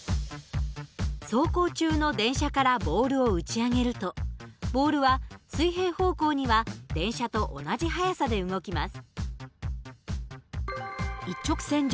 走行中の電車からボールを打ち上げるとボールは水平方向には電車と同じ速さで動きます。